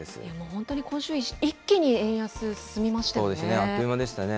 本当に今週、一気に円安進みましたよね。